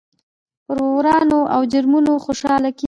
پر ورانيو او جرمونو خوشحاله کېږي.